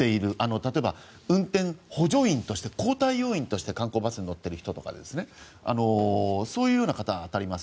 例えば、運転補助員として交代要員として観光バスに乗っている人とかそういうような人が当たります。